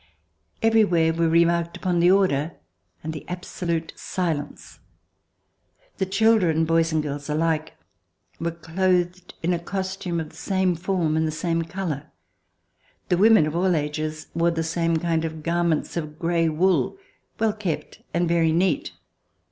Everywhere we remarked upon the order and the absolute silence. The children, boys and girls alike, were clothed in a costume of the same form and the same color. The women of all ages wore the same kind of garments of gray wool, well kept and very neat.